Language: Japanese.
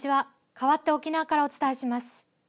かわって沖縄からお伝えします。